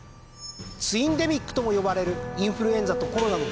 ツインデミックとも呼ばれるインフルエンザとコロナの同時